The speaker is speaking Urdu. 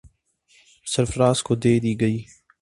سرفراز کو دے دی گئی۔